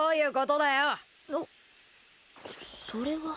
あそれは。